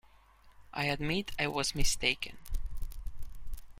I admit I was mistaken.